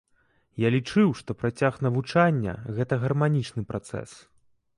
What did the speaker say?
Я лічыў, што працяг навучання гэта гарманічны працэс.